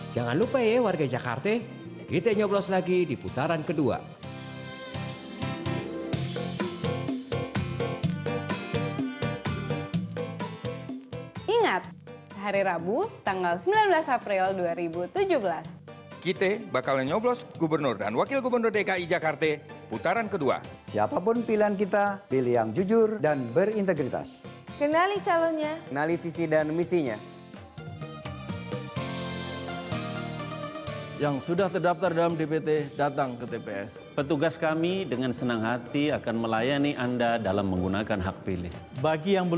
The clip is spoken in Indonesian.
jangan lupa ya warga jakarta kita nyoblos lagi di putaran kedua